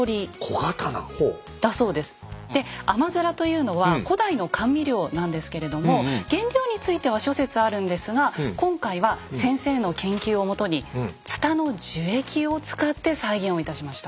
で「あまづら」というのは古代の甘味料なんですけれども原料については諸説あるんですが今回は先生の研究をもとにツタの樹液を使って再現をいたしました。